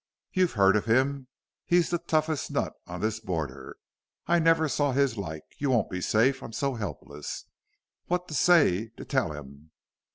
"You've heard of him? He's the toughest nut on this border.... I never saw his like. You won't be safe. I'm so helpless.... What to say to tell him!...